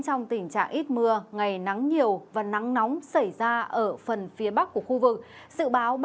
trong tình trạng ít mưa ngày nắng nhiều và nắng nóng xảy ra ở phần phía bắc của khu vực dự báo ba